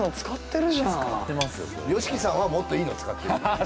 ＹＯＳＨＩＫＩさんはもっといいの使ってるよ